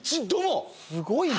すごいね。